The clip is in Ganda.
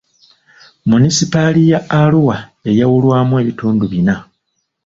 Munisipaali ya Arua yayawulwamu ebitundu bina.